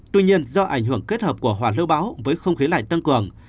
tuy nhiên do ảnh hưởng kết hợp của hoạt lưu báo với không khí lạnh tăng cường